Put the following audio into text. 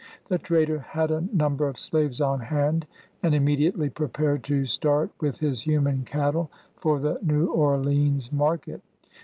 The trader had a number of slaves on hand, and immediately prepared to start with his human cattle for the New Orleans market.